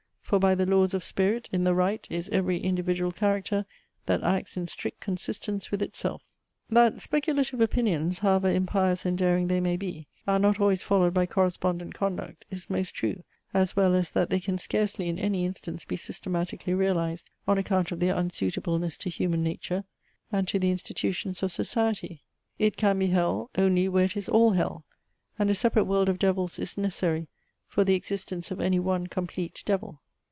For, by the laws of spirit, in the right Is every individual character That acts in strict consistence with itself." That speculative opinions, however impious and daring they may be, are not always followed by correspondent conduct, is most true, as well as that they can scarcely in any instance be systematically realized, on account of their unsuitableness to human nature and to the institutions of society. It can be hell, only where it is all hell: and a separate world of devils is necessary for the existence of any one complete devil.